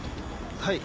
はい。